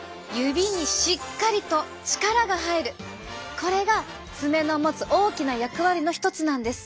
これが爪の持つ大きな役割の一つなんです。